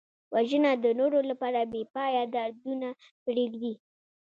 وژنه د نورو لپاره بېپایه دردونه پرېږدي